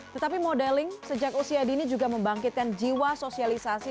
tetapi modeling sejak usia dini juga membangkitkan jiwa sosialisasi